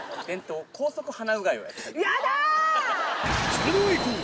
それではいこう！